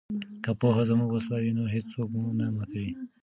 که پوهه زموږ وسله وي نو هیڅوک مو نه ماتوي.